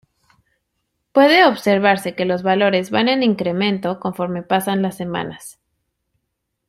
Puede observarse que los valores van en incremento conforme pasan las semanas.